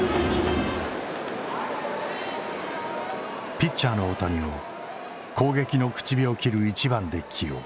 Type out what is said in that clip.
ピッチャーの大谷を攻撃の口火を切る１番で起用。